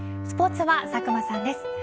スポーツは佐久間さんです。